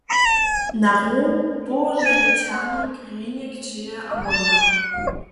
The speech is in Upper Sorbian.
Na row połoženy ćernik rjenje kćěje a wonja.